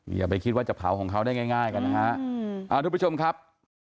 อย่าไปคิดว่าจะเผาของเขาได้ง่ายกันนะฮะทุกผู้ชมครับ